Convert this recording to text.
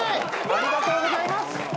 ありがとうございます。